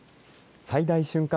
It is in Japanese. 最大瞬間